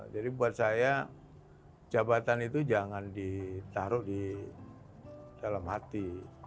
jadi buat saya jabatan itu jangan ditaruh di dalam hati